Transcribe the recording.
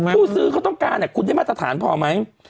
ผู้ซื้อเขาต้องการคุณได้มาตรฐานพอไหม